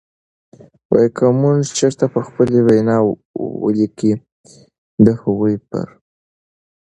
د که مونږ چرته په خپلې وینا والۍ کې د هغوئ پر